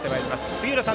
杉浦さん